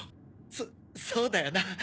そそうだよな。